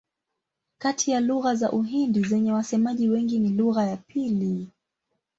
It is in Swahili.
Kati ya lugha za Uhindi zenye wasemaji wengi ni lugha ya pili.